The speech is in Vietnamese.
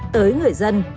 tới người dân